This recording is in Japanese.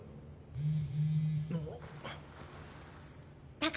うん。